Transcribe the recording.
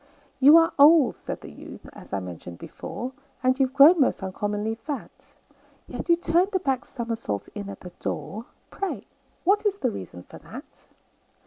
"You are old," said the youth, "as I mentioned before, And you have grown most uncommonly fat; Yet you turned a back somersault in at the door Pray what is the reason for that?"